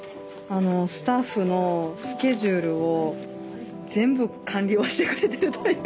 スタッフのスケジュールを全部管理をしてくれてるという。